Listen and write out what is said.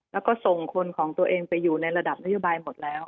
แล้วก็ส่งคนของตัวเองไปอยู่ในระดับนโยบายหมดแล้ว